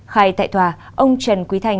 khai tại tòa ông trần quý thanh